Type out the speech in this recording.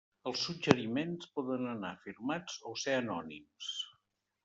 Els suggeriments poden anar firmats o ser anònims.